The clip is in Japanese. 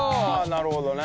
なるほどね。